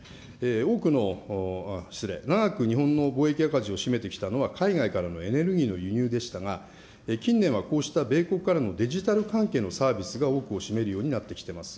多くの、失礼、長く日本の貿易赤字を占めてきたのは、海外からのエネルギーの輸入でしたが、近年はこうした米国からのデジタル関係のサービスが多くを占めるようになってきています。